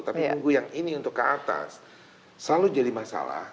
tapi nunggu yang ini untuk ke atas selalu jadi masalah